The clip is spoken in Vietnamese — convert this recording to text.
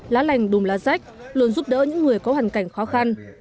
lá lành đùm lá rách luôn giúp đỡ những người có hoàn cảnh khó khăn